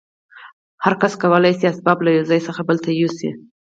هر کس کولای شي اسباب له یوه ځای بل ته یوسي